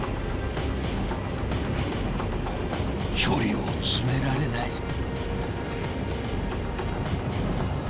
距離を詰められない。